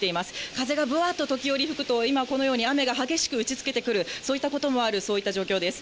風がぶわーっと時折吹くと、今、このように雨が激しく打ちつけてくる、そういったこともある、そういった状況です。